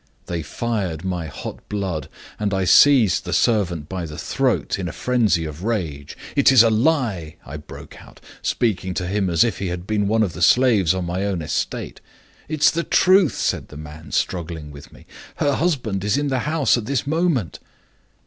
They fired my hot blood, and I seized the servant by the throat, in a frenzy of rage 'It's a lie!' I broke out, speaking to him as if he had been one of the slaves on my own estate. 'It's the truth,' said the man, struggling with me; 'her husband is in the house at this moment.